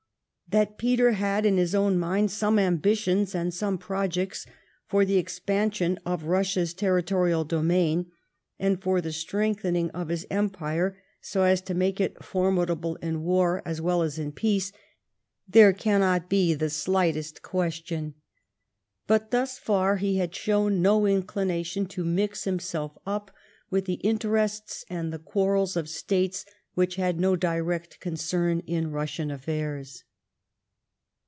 That Peter had in his own mind some ambitions and some projects for the expansion of Eussia's territorial domain, and for the strengthening of his empire so as to make it formidable in war as well as in peace, there cannot be the shghtest question. But thus far he had shown no inclination to mix himself up with the interests and the quarrels of States which had no direct concern in Eussia's affairs.